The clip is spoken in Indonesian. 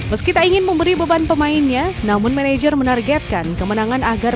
meski tak ingin memberi beban pemainnya namun manajer menargetkan kemenangan agar